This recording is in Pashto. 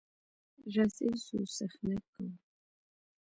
راځئ ځو څخنک کوو.